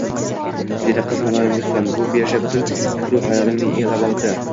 dedi qiz muloyimlik bilanBu birja butun fikr-u xayolingni egallab olibdi